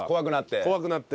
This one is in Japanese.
怖くなって？